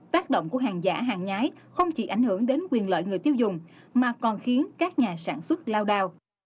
tác động của hàng giả hàng nhái không chỉ ảnh hưởng đến quyền lợi người tiêu dùng mà còn khiến các nhà sản xuất lao đao